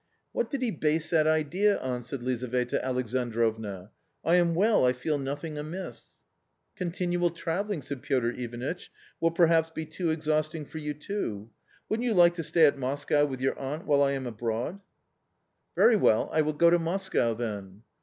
"What did he base that idea on?" said Lizaveta Alexandrovna ;" I am well, I feel nothing amiss ."" Continual traveiung," said .Fiotr xvamtcn, •■ will perhaps be too exhausting for you too ; wouldn't you like to stay at Moscow with your aunt while I am abroad ?" 270 A COMMON STOR? " Very well ; I will go to Moscow then."